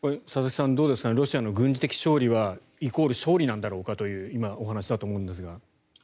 佐々木さん、どうでしょうロシアの軍事的勝利はイコール勝利なんだろうかという今のお話だと思うんですが。